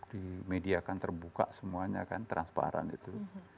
di media kan terbuka semuanya kan transparan itu